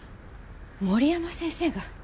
森山先生が院長！？